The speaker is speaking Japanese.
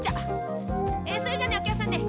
それじゃあねおきゃくさんね